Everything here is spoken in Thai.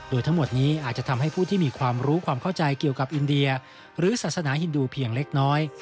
โดยทั้งหมดนี้อาจจะทำให้ผู้ที่มีความรู้ความเข้าใจเกี่ยวกับอินเดียหรือศาสนาฮินดูเพียงเล็กน้อย